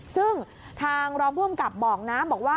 ซึ่งทางรองค์ภูมิกับบอกนะ